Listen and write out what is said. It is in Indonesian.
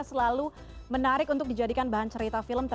selamat malam halo